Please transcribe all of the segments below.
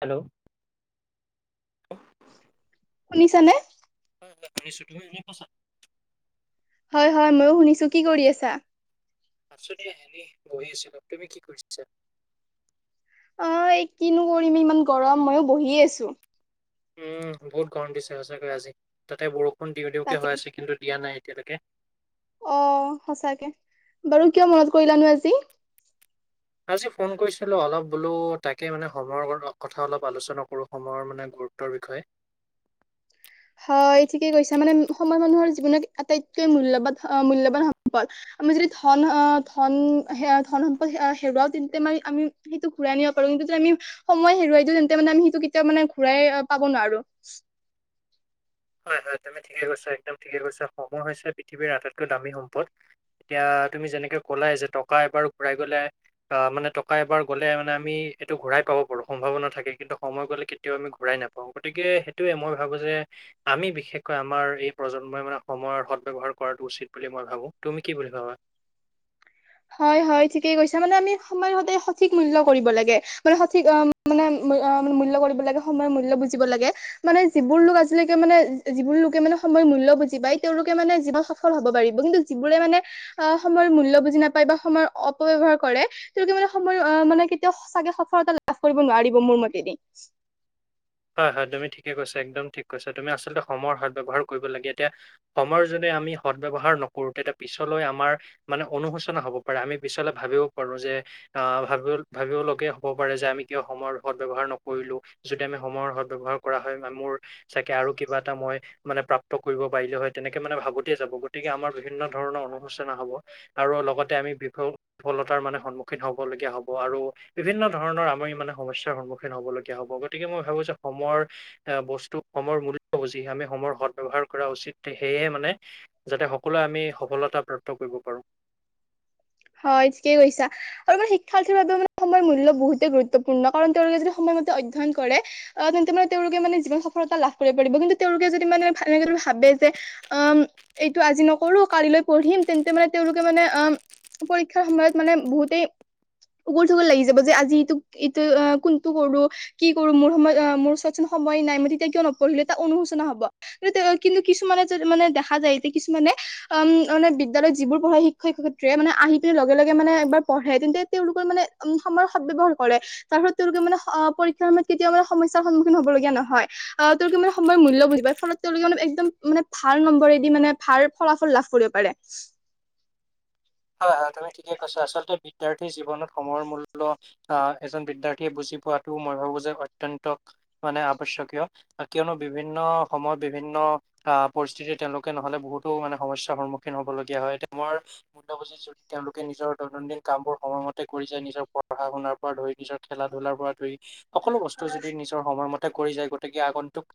Hello. শুনিছানে? মই শুনিছোঁ তুমি শুনা পইচা? হয়, হয় ময়ো শুনিছো কি কৰি আছা? আছতে এনে বহি আছিলা তুমি কি কৰিছা? অ এই কিনো কৰিম ইমান গৰম ময়ো বহিয়ে আছো। উম বহুত গৰম দিছে সঁচাকৈ আজি তাতে বৰষুণ দিওঁ দিওঁকে তাকে হৈ আছে কিন্তু দিয়া নাই। এতকে। অ সঁচাকে বাৰু কিয় মনত কৰিলানো আজি। আজি ফোন কৰিছিলো অলপ বোলো তাকে মানে সময়ৰ কথা অলপ আলোচনা কৰো সময়ৰ মানে গুৰুত্বৰ বিষয়ে। হয় ঠিকেই কৈছা মানে সময় মানুহৰ জীৱন আটাইতকৈ মূল্যবান অ মূল্বান সম্পদ। আমি যদি ধন আহ ধন ধন সম্পদ হেৰুৱাও তেন্তে মমি আমি সেইটো ঘূৰাই আনব পাৰো কিন্ত, আমি সময় হেৰুৱাই দিওঁ তেন্তে মানে আমি সেইটো কেতিয়াও মানে, ঘূৰাই পাব নোৱাৰো। হয়-হয়, তুমি ঠিকে কৈছা, একদম ঠিকে কৈছা। সময় হৈছে পৃথিৱীৰ আটাইতকৈ দামী সম্পদ। এতিয়া তুমি যেনেকে কলাই যে, টকা এবাৰ ঘূৰাই গলে, মানে টকা এবাৰ গলে মানে আমি, এইটো ঘূৰাই পাব পাৰো, সম্ভাৱনা থাকে। কিন্তু সময় গলে কেতিয়াও আমি ঘূৰাই নাপাওঁ। গতিকে সেইটোয়ে, মই ভাবো যে আমি বিশেষকৈ, আমাৰ এই প্ৰজন্মই মানে সময়ৰ সদ ব্যয়ৱহাৰ কৰাটো উচিত বুলি মই ভাবো। তুমি কি বুলি ভাবা?। [inaudible] হয়-হয়, ঠিকেই কৈছা, মানে আমি সময়ৰ সতে সঠিক মূল্য় কৰিব লাগে, মানে সঠিক অ', মানে অ', মানে মূল্য কৰিব লাগে, সময়ৰ মূল্য় বুজিব লাগে। মানে যিবোৰ লোক আজিলৈকে মানে, যিবোৰ লোকে মানে সময়ৰ মূল্য বুজি পাই, তেওঁলোকে মানে জীৱন সফল হব পাৰি। কিন্তু যিবোৰে মানে অ', সময় মূল্য় বুজি নাপ য়, বা সময়ৰ অপ'বিবহাৰ কৰে, তেওঁলোকে মান সময়, মানে কেতিয়াও চাগে সলতা লাভ কৰিব নোৱাৰিব মোৰ [inaudible] [inaudible] হয়-হয়, তুমি ঠিকে কৈছা, একদম ঠিক কৈছা। তুমি আচলতে সময়ৰ সদ ব্যৱহাৰ কৰিব লাগে। এতিয়া, সময়ৰ যোনে আমি সদ ব্যয়ৱহাৰ নকৰো, তেতিয়া পিছলৈ আমাৰ মানে, অনুশোচনা হব পাৰে। আমি পিছলে ভাবিব পাৰো যে আ', ভাব-ভাবিব লগীয়া হব পাৰে যে, আমি কিয় সময়ৰ সদ ব্যৱহাৰ নকৰিলো। যদি আমি সময়ৰ সদ ব্যৱহাৰ কৰা হয় বা মোৰ চাগে, আৰু কিবা এটা মই, মানে প্ৰাপ্ত কৰিব পাৰিলে হয়। তেনেকে মানে ভা তে যাব, গতিকে আমাৰ বিভিন্ন ধৰণৰ অনুসোচনা হব। আৰু লগতে আমি বিফলতাৰ মানে স সন্মুখীন হবলগীয়া হ'ব আৰু বিভিন্ন ধৰণৰ আমি মানে, সমস্যাৰ সন্মুখীন হ'ব লগীয়া হ'ব। গতিকে মই যে, সময়ৰ আ', বস্তু, সময়ৰ মূল্য বুজি আমি সময়ৰ সদ ব্যৱহাৰ কৰা উচিত। সেয়ে মানে যাতে সকলোৱে আমি, সফলতা প্ৰাপ্ত কৰিব পাৰোঁ। হয়, ঠিকেই কৈছা। আৰু মানে শিক্ষাৰ্থীৰ বাবেও মানে, সময়ৰ মূল্য বহুতেই গুৰুত্বপূৰ্ণ। কাৰণ তেওঁলোকে যদি সময়ৰ অধ্যয়ন কৰে, আ', তেন্তে মানে তেওঁলোকে মানে যিৱন সফলতা লাভ কৰিব, কিন্তু তেওঁলোকে যদি মানে ভাবে যে, উম, এইটো আজি নকৰো, কালিলৈ পঢ়িম, তেন্তে মানে তেওঁলোকে মানে অ পৰীক্ষাৰ সময়ত, মানে বহুতেই উগুল থুগুল লাগি যাব, যে আজি ইটো-ইটো, কোনটো কৰো, কি কৰো, মোৰ সময়ত আ', মোৰ ওচৰতচোন সময় নাই। মইে তেতিয়া কিয় নপঢ়িলো, এটা অনুশোচনা হব। কিন্তু কিছুমানে যে, মানে দেখা যায়, এতিয়া কিছুমানে উম, মানে বিদ্যালয়ত যিবোৰ পঢ়াই, শিক্ষয় শ মানে, আহি পিনে লগে লগে মানে এবাৰ পঢ়ে। তেন্তে, তেওঁলোকৰ মানে উম, সময়ৰ সদ ব্যৱহাৰ কৰে। তাৰ পাছত তেওঁলোকে মানে, পৰীক্ষাৰ সময়ত কেতিয়াও মানে, কেতিয়াও সমস্যাৰ সন্মখীন হবলগীয়া নহয়। তেওঁলোকে মানে, সময়ৰ মূল্য বুজি পাই ফলত তেওঁলোকে অলপ একদম মানে, ভাল নম্বৰেদি মানে, ভাল ফলাফল লাভ কৰিব পাৰে। হয়-হয়, তুমি ঠিকে কৈছা। আচলতে বিদ্যাৰ্থীৰ জীৱনত সময়ৰ মূল্য, এজন বিদ্যাৰ্থীয়ে বুজি পোৱাতো মই ভাবো যে, অত্যন্ত, মানে আৱশ্যকীয়, কিয়নো বিভিন্ন সময়ত, বিভিন্ন আ', পৰিস্থিতি তেওঁলোকে নহলে বহুতো মানে, সমস্যাৰ সন্মুখীন হবলগীয়া হয়। [unintelligible] তেওঁলোকে নিজৰ দৈনন্দিন কামবোৰ সময়মতে কৰি যায়, নিজৰ পঢ়া শুনাৰ পৰা ধৰি, নিজৰ খেলা ধুলাৰ পৰা ধৰি, সকলো বস্তু যদি নিজৰ সময়মতে কৰি যায়, গতিকে আগ ন্তুক,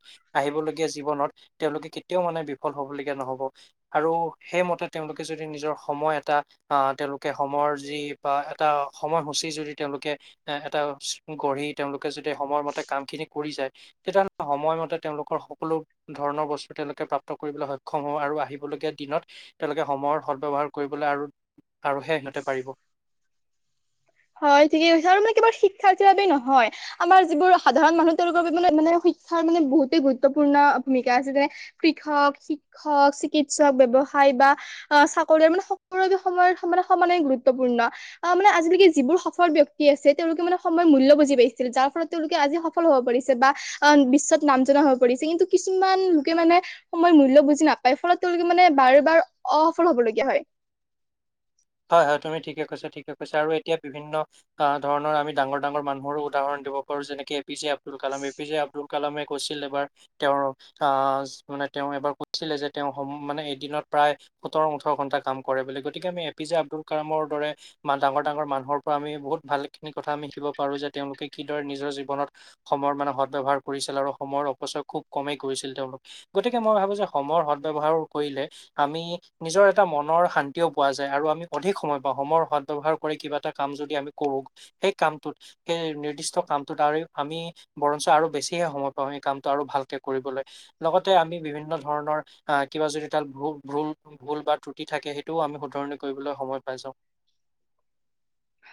আহিবলগীয়া জীৱনত, তেওঁলোকে কেতিয়াও মানে বিফল হবলগীয়া নহব। আৰু সেইম তে, তেওঁলোকে যদি নিজৰ স সময় এটা, আহ, তেওঁলোকে সময়ৰ যি বা এটা, সময়সূচী যদি তেওঁলোকে এ-এটা গঢ়ি, তেওঁলোকে যদি সময়মতে কাম খিনি কৰি যায় তেতিয়াহ'লে, সময়মতে তেওঁলোকৰ সকলো ধৰণৰ, বস্তু তেওঁলোকে প্ৰাপ্ত কৰিবলৈ সক্ষম হব। আৰু আহিবলৈ দিনত, তেওঁলোকে সময়ৰ সদ ব্যৱহাৰ ক বলৈ, আৰু-অৰুহে, সিহঁতে পাৰিব। হয়, ঠিকে কৈছে। আৰু মানে কেৱল শিক্ষাৰ্থীৰ বাবে নহয়, আমাৰ যিবোৰ সাধাৰণ মানুহ তেওঁলোকৰ বাবে মানে-মানে শিক্ষাৰ মানে বহুতেই গুৰুত্বপূৰ্ণ, ভূমিকা আছে যেনে, কৃষক, শিক্ষক, চিকিৎসক, ব্যৱসা য়, বা অ', চাকৰি। মানে সকলোলৈ সময়ৰ মানে, সমানে গুৰুত্বপূৰ্ণ। আহ, মানে আজিলৈকে যি যিবোৰ সফল ব্যক্তি আছে, তেওঁলোকে মানে, সময়ৰ মূল্য বুজি পাইছিল। যাৰ ফলত, তেওঁলোকে আজি সফল হব পৰিছে। বা, আ। বিশ্বত নাম জনা হৈ পৰিছে। কিন্তু কিছুমান, লোকে মানে, সময়ৰ মূল্য বুজি নাপায়। ফলত তেওঁলোকে মানে বাৰ বাৰ অসফল হবলগীয়া হয়। [inaudible] হয়-হয়, তুমি ঠিকে কৈছা, ঠিকে কৈছা, আৰু এতিয়া বিভিন্ন, আহ, ধৰণৰ আমি ডাঙৰ ডাঙৰ মানুহৰো উদাহৰণ দিব পাৰো যেনেক A P J Abdul Kalam A P J Abdul কালামে কৈছিল এবাৰ তেওঁৰ আহ মানে তেওঁ এবাৰ কৈছিলে যে তেওঁ সম মানে এদিনত প্ৰায় সোতৰ ওঠৰ ঘণ্টা কাম কৰে বুলি গতিকে আমি পি জে আব্দুল কালামৰ দৰে ডাঙৰ ডাঙৰ মানুহৰ পৰা আমি বহুত ভাল খিনি কথা আমি শিকিব পাৰো যে তেওঁলে কিদৰে নিজৰ জীৱনত সময়ৰ মানে সদ ব্যয়ৱহাৰ কৰিছিল আৰু সময়ৰ অপচয় খুব কমেই কৰিছিল তেওঁলোক গতিকে মই ভাবো যে সময়ৰ সদবৱহাৰ কৰিলে আমি নিজৰ এটা মনৰ শান্তিও পোৱা যায় আৰু আমি অধিক সময় বা সময়ৰ হদ ব্যৱহাৰ কৰি কিবা এটা কাম যদি আমি কৰো সেই কামটোত সেই নিৰ্দিষ্ট কামটোত আমি বৰঞ্চ আৰু বেছিহে সময় পাওঁ সেই কামটো আৰু ভালকে কৰিবলৈ লগতে মি বিভিন্ন ধৰণৰ কিবা যদি ত ভ ভ ভ বা ত্ৰুি থাকে সেইটোও আ ণ কৰিবলৈ সময় পাই যাওঁ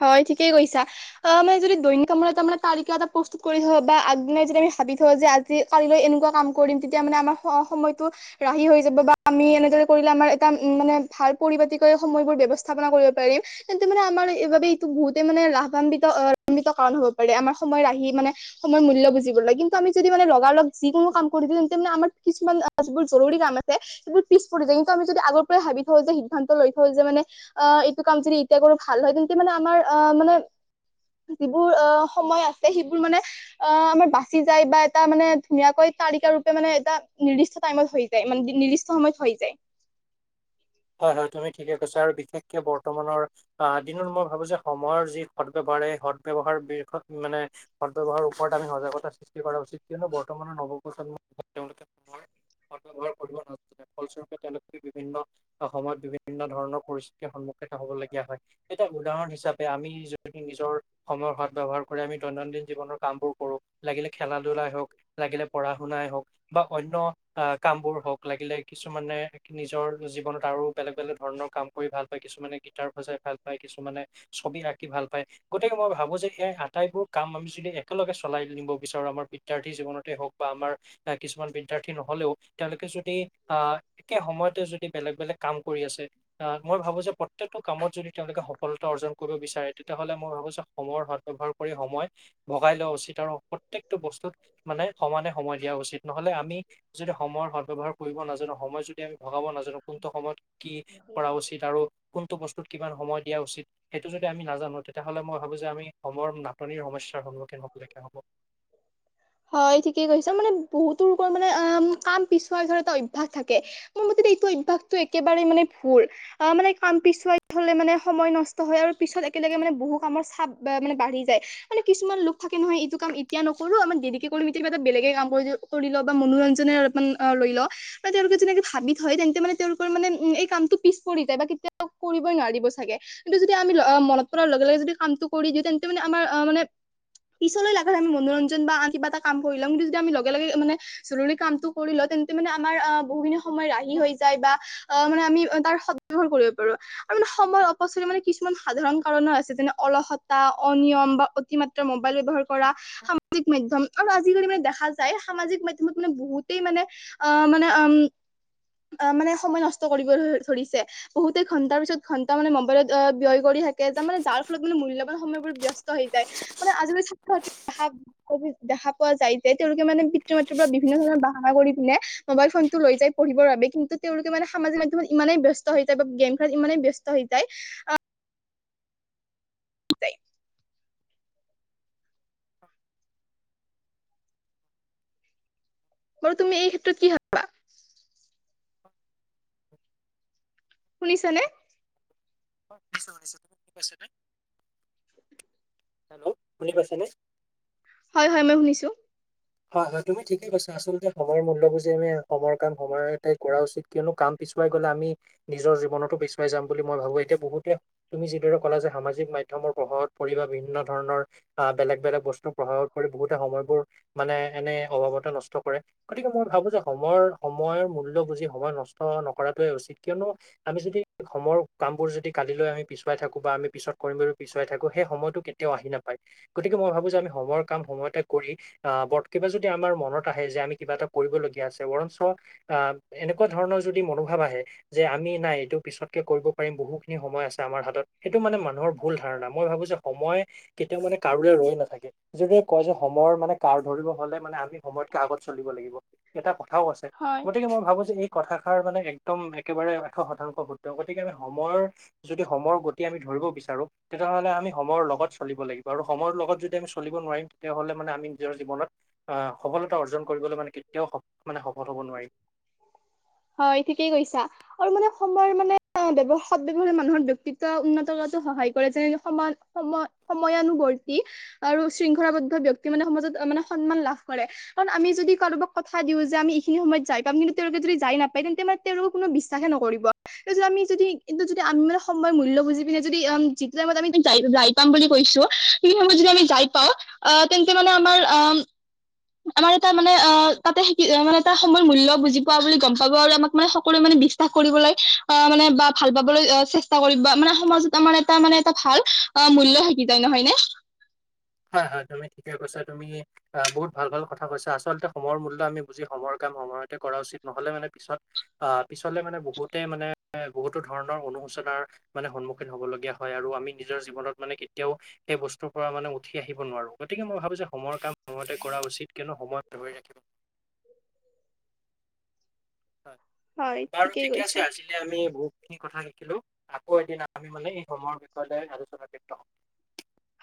হয় ঠিকেই কৈছা অ মানে যদি দৈনিক কামমূল্যত তাৰমানে তালিকা এটা প্ৰস্তুত কৰি থ বা আগদিনাই যদি আমি ভাবি থওঁ যে আজি কালিলৈ এনেকুৱা কাম কৰিম তেতিয়া মানে আমাৰ সময়তটো ৰাহি হৈ যাব বা আমি এনে ৰে কৰিলে আমাৰ এটা উম মানে ভাল পৰিপাতিকৈ সময় বোৰ ব্যৱস্থাপনা কৰিব পাৰিম তেন্তে মানে আমাৰ স এইবাবে এইটো বহুতে মানে লাভান্বিতভান্বিত কাৰণ হ'ব পাৰে আমাৰ সময় আহি মানে সময়ৰ মূল্য বুজিব কিন্তু আমি যদি মানে লগা লগগ য কোনো কাম কৰি দো তেন্তে মানে আমাৰ কিছুমান যিবোৰ জৰুৰী কাম আছেোৰ য কিন্তু আমি যদি আগৰ পৰাই ভাবি থওঁ যে সিদান্ত লৈ থওঁ যে মানে অ এইটো কাম যদি এতিয়া কৰো ভাল হয় তেন্ত মানে আমাৰ অ', মানে যিবোৰ অ', সময় আছে সেইবোৰ মানে অ', আমাৰ বাচি যায় বা এটা মানে ধুনীয়াকৈ তালিকা ৰূপে মানে এটা নিৰ্দিষ্ট টাইমত হৈ যায় মান নিৰ্দিষ্ট সময়ত হৈ যায়। [inaudible] হয়, হয় তুমি ঠিকে কৈছা আৰু বিশেষকে বৰ্তমানৰ অ দিনত মই ভাবো যে সময়ৰ যি সদ্ব্যৱহাৰ সদব্যৱহাৰ মানে সদব্যহাৰ ওপৰত আমি সজাগতা সৃষ্টি কৰা উচিত কিয়ো বৰ্তমানৰ নৱ প্ৰজন্মৰ তেওঁলোকেৰ ব্যৱহাৰ কৰিব নে ফলস্বৰূপে তেওঁলোকে বিভিন্ন অসময়ত বিভিন্ন ধৰণৰ পৰিস্থিতিৰ সন্মুখীন হব লগগীয়া হয় এতিটা উদাহৰণ হিচাপে আমি যদি নিজৰ সময়ৰ সদ ব্যৱহাৰ কৰি আমি দৈনন্দিন জীৱনৰ কাম বোৰ কৰো লাগিলে খেলা ধলাাই হওক লাগিলে পঢা শুনা বা অন্য কাম বোৰ হক লাগিলে কিছুমানে নিজৰ জীৱনত আৰু বেলেগ বেলেগ ধৰণৰ কাম কৰি ভাল পায় কিছুমানে গিটাৰ বজাই ভাল পায় কিছুমানে ছবি আঁকি ভাল পায়। গতিকে মই ভাবো যে এই আটাইবোৰ কাম আমি যদি একেলগে চলাই নিব বিচাৰো আমাৰ বিদ্যাৰ্থী জীৱনতে হওক বা আমাৰ কিছুমান বিদ্যাৰ্থী নহলেও তেওঁলোকে যদি আহ একে সময়তে যদি বেলেগ বেলেগ কাম কৰি আছে আহ মই ভাবো যে প্ৰত্যেকটো কামত যদি তেওঁলোকে সফলতা অৰ্জন কৰিব বিচাৰে তেতিয়া তে হলে মই ভাবো যে সময়ৰ সদ ব্যৱহাৰ কৰি সময় ভগাই লোৱা উচিত আৰু প্ৰত্যকটো বস্তুত মানে সমানে সময় দিয়া উচিত নহলে আমি যদি সময়ৰ সদব্যৱহাৰ কৰিব নাজানো সময় যদি আমি ভগাব নাজানোঁ কোনটো সময়ত কি কৰা উচিত আৰু কোনটো বস্তুত কিমান সময় দিয়া উচিত সেইটো যদি আমি নাজানো তেতিয়াহ'লে মই ভাবো যে আমি সময়ৰ নাটনিৰ সমস্যা হয় ঠিকেই কৈছা মানে বহুতোৰ মানেম কাম পিছোৱাৰ ধৰা এটা অভ্যাস থাকে মোৰ মতে এইটো অভ্যাসতটো একেবাৰে মানে ভুৰ অ', মানে কাম পিছুৱাই থলে মানে সময় নষ্ট হয় আৰু পিছত একেলগে মানে বহু কামৰ চা মানে বাঢ়ি য মানে কিছুমান লোক থাকে নহয় এইটো কাম এতিয়া নকৰো আমাৰ দেৰিকে কৰিম এতিয়া কিবাটা বেলেগে কাম কৰি কৰি লওঁ বা মনোৰঞ্জ আপ তেওঁলোকে যেনে ভাবি থয় তেন্তে মানে তেওঁলোকৰ মানে উ এই কামটো পিছ পৰি যায় বা কেয়া কৰিব মাৰিব চাগে কিন্তু যদি আমি মনত পৰাৰ লগে লগে যদি কামটো কৰি দিওঁ তেন্তে মানে আমাৰ মানে পিছলৈ লগাগে আমি মনোৰঞ্জন বা কিবা এটা কাম কৰি ল'ম কিন্ত যদি আমি লগে লগে মানে জৰুৰ কামটো কৰি লয় তেন্তে মানে আমাৰ অ', বহুখিনি সময় ৰাহি হৈ যায় বা অ', মানে আমি তাৰ স [unintelligible] কৰিব পাৰো আৰু মানে সময় অপচয় মানে কিছুমান সাধাৰণ কাৰণো আছে যেনে অলস অনিয়ম বা অতিমাত্ৰ মোবাইলব্যবহাৰ কৰা সামাজিক মাধ্যম আৰু আজিকালি মানে দেখা যায় সামাজিক মাধ্যত মানে বহুতেই মানে মানে অ', মানে উ অ', মানে সময় নষ্ট কৰিব ধৰিছে বহুতে ঘন্টাৰ পিছত ঘন্টা মানে মোবাইলত ব্যয় কৰি থাকে যে মানে যাৰ ফলত মানে মূল্যৱান সময়বোৰ ব্যস্ত হৈ যায় মানে আজিলৈ ছাত্ৰ ছাত্ৰী দেখা পোৱা যায় যে, তেওঁলোকে মানে পিতৃ মাতৃৰ পৰা বিভিন্ন ধৰণৰ বাহনা কৰি পিনে মোবাইল ফোনটো লৈ যায়। পঢ়িবৰ বাবে, কিন্তু তেওঁলোকে মানে সামাজিক মাধ্যমত ইমানেই ব্যস্ত হৈ যায় বা গেম খেলত ইমানেই ব্যস্ত হৈ যায় বাৰু তুমি এই ক্ষেত্ৰত কি ভাবা? [inaudible] শুনিছা নে? অ', শুনিছোঁ শুনিছোঁ, তুমি শুনি পাইছানে? হেল্ল' শুনি পাইছেনে? হয়, হয়, মই শুনিছো। হয়, হয়, তুমি ঠিকেই কৈছা, আচলতে সময়ৰ মূল্য বুজি আমি সময়ৰ কাম সময়তেই কৰা উচিত। কিয়নো কাম পিছুৱাই গ'লে আমি নিজৰ জীৱনতো পিছুৱাই যাম বুলি মই ভাবো, এতিয়া বহুতে তুমি যিদৰে কলা যে সামাজিক মাধ মাধ্যমৰ প্ৰভাৱত পৰি বা বিভিন্ন ধৰণৰ অহ বেলেগ বেলেগ বস্তু প্ৰভাৱত পৰি বহুতে সময়বোৰ মানে এনেই অভাৱতে নষ্ট কৰে, গতিকে মই ভাবো যে সময়ৰ সময়ৰ মূল্য বুজি সময় নষ্ট নকৰাটোৱে উচিত, কিয়নো আমি যদি সময়ৰ কামবোৰ যদি কালিলৈ আমি পিছুৱাই থাকো বা আমি পিছত কৰি পিছুৱাই থাকো, সেই সময়তো কেতিয়াও আহি নাপায়। গতিকে মই ভাবো যে আমি সময়ৰ কাম সময়তে কৰি অহ, বৰ [unintelligible] কিবা যদি আমাৰ মনত আহে, যে আমি কিবা এটা কৰিবলগীয়া আছে, বৰঞ্চ সেনেকুৱা ধৰণৰ যদি মনোভাৱ আহে, যে আমি নাই এইটো পিছতকে কৰিব পাৰিম বহুখিনি সময় আছে আমাৰ হাতত। সেইটো মানে মানুহৰ ভুল ধাৰণা, মই ভাবো যে সময় কেতিয়াও মানে কাৰোলে ৰৈ নাথাকে, যদি কয় যে সময়ৰ মানে পাৰ ধৰিব হলে মানে, আমি সময়তকে আগত চলিব লাগিব। এটা কথাও আছে হয় গতিকে মই ভাবো এই কথাষাৰ মানে একদম একেবাৰে এশ শতাংশ ত গতিকে আমি সময়ৰ যদি সময়ৰ গতি আমি ধৰিব বিচাৰো, তেতিয়াহলে আমি সময়ৰ লগত চলিব লাগিব। সময়ৰ লগত যদি আমি চলিব নোৱাৰিম, তেতিয়াহ'লে মানে আমি নিজৰ জীৱনত সফলতা অৰ্জন কৰিবলৈ মানে কেতিয়াও মানে সফল হ'ব নোৱাৰিম। হয় ঠিকেই কৈছা আৰু মানে সময়ৰ মানে ব্যৱহা সদব্যবহাৰ মানুহৰ ব্যক্তিত্ব উন্নত কৰাতো সহায় কৰে, যেনেকে সমান সময় সময়ানুবৰ্তি আৰু শৃংখলাবদ্ধ ব্যক্তি মানে সমাজত মানে সন্মান লাভ কৰে। কাৰণ আমি যদি কাৰোবাক কথা দিও, যে আমি এইখিনি সময়ত যাই পাম, কিন্তু তেওঁলোকে যদি যাই নাপাই, তেন্তে মানে তেওঁলোকক কোনোও বিশ্বাসেই নকৰিব। তাৰ আমি যদি কিন্তু যদি আমি মানে সময়ৰ মূল্য বুজি পিনে যদি অম যিটো টাইমত আমি য যাই পাম বুলি কৈছো সেই সময়ত যদি আমি যাই পাওঁ, আ তেন্তে মানে আমাৰ আ আমাৰ এটা মানে অ তাতে শি মানে তাৰ সময়ৰ মূলয় বুজি পোৱা বুলি গম পাব আৰু আমাক মানে সকলোৱে মানে বিশ্বাস কৰিবলৈ অ', মানে বা ভাল পাবলৈ চেষ্টা কৰিব, মানে সমাজত আমাৰ এটা মানে এটা ভাল অহ মূল্য থাকিব। [unintelligible] নহয়নে? [unintelligible] হয় হয়, তুমি ঠিকেই কৈছা, তুমি অ বহুত ভাল ভাল কথা কৈছা। আচলতে সময়ৰ মূল্য আমি বুজি সময়ৰ কাম সময়তে কৰা উচিত, নহলে মানে পিছত অ পিছলে মানে বহুতে মানে বহুতো ধৰণৰ সমলোচনাৰ মানে সন্মুখীন হ'ব লগগীয়া হয় আৰু আমি নিজৰ জীৱনত মানে কেতিয়াও সেই বস্তুৰ পৰা মানে উঠি আহিব নোৱাৰো, গতিকে মই ভাবো যে সময়ৰ কাম সময়তে কৰা উচিত, কিয়নো সময় ধৰি ৰাখিব [unintelligible] হয়, হয় বাৰু ঠিকেই আছে, কৈছা আজিলে আমি বহু খিনি কথা শিকিলো, আকৌ এদিন আমি মানে এই সময়ৰ বিষয়তেই আলোচনাত লিপ্ত হম।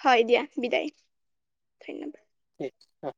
হয় দিয়া, বিদায়, ধন্যবাদ। অ।